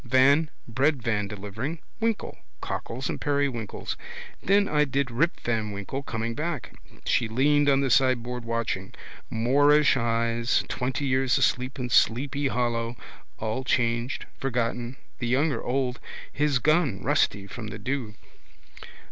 Van: breadvan delivering. Winkle: cockles and periwinkles. Then I did Rip van Winkle coming back. She leaned on the sideboard watching. Moorish eyes. Twenty years asleep in Sleepy Hollow. All changed. Forgotten. The young are old. His gun rusty from the dew.